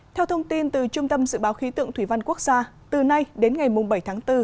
theo thông tin từ trung tâm dự báo khí tượng thủy văn quốc gia từ nay đến ngày bảy tháng bốn